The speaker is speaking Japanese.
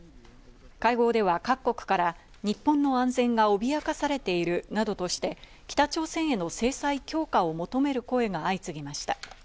会合では各国から日本の安全が脅かされているなどとして、北朝鮮への制裁強化を求める声が相次ぎました。